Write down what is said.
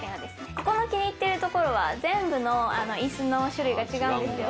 ここの気に入ってるところは、全部のいすの種類が違うんですよ。